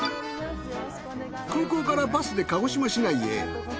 空港からバスで鹿児島市内へ。